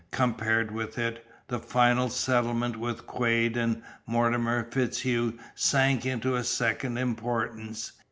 Compared with it, the final settlement with Quade and Mortimer FitzHugh sank into a second importance.